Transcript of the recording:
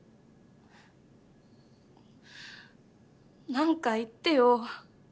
なんか言ってよ。